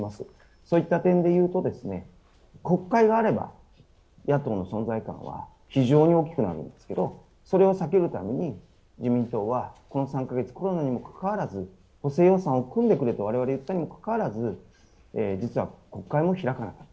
そういった点で言うと、国会があれば野党の存在感は非常に大きくなるんですけど、それを避けるために自民党はこの３か月、コロナにもかかわらず補正予算を組んでくれと、われわれが言っているにもかかわらず実は、国会も開かなかった。